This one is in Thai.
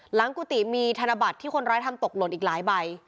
กุฏิมีธนบัตรที่คนร้ายทำตกหล่นอีกหลายใบ